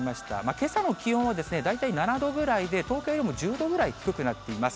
けさの気温は大体７度ぐらいで、東京よりも１０度ぐらい低くなっています。